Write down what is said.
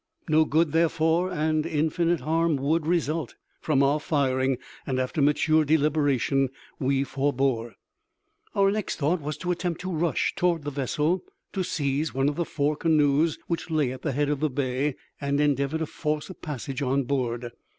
No good, therefore, and infinite harm, would result from our firing, and after mature deliberation, we forbore. Our next thought was to attempt to rush toward the vessel, to seize one of the four canoes which lay at the head of the bay, and endeavour to force a passage on board.